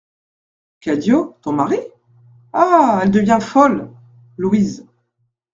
Cadio, ton mari ? Ah ! elle devient folle ! LOUISE.